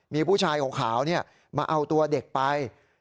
มีผู้ชายของขาวเนี่ยมาเอาตัวเด็กไป